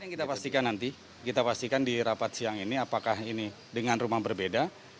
kita pastikan nanti kita pastikan di rapat siang ini apakah ini dengan rumah berbeda